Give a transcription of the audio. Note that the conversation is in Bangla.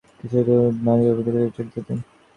তার কিশোরী ঠোঁটে অভিজ্ঞা নারীর অভিজ্ঞতা উচ্চারিত হতে লাগল।